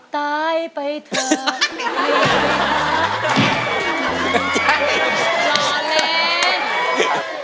ตายไปเถอะไม่ตายไปเถอะ